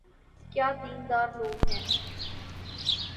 کیا دین دار لوگ ہیں۔